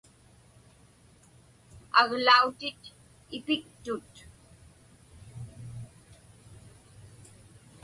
Aglautit ipiktut.